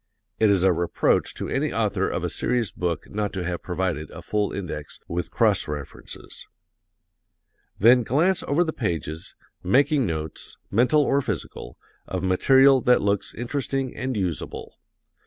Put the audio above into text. (It is a reproach to any author of a serious book not to have provided a full index, with cross references.) Then glance over the pages, making notes, mental or physical, of material that looks interesting and usable.